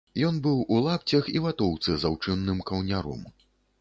Ён быў у лапцях і ватоўцы з аўчынным каўняром.